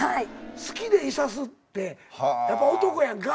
好きでいさすってやっぱ男やんか。